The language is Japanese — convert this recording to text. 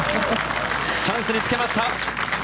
チャンスにつけました。